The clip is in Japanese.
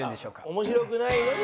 面白くないのに。